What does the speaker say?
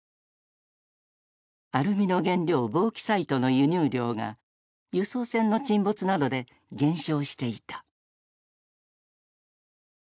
アルミの原料ボーキサイトの輸入量が輸送船の沈没などで減少していた。